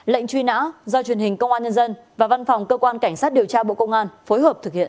lệnh truy nã do truyền hình công an nhân dân và văn phòng cơ quan cảnh sát điều tra bộ công an phối hợp thực hiện